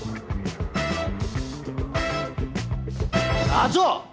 社長！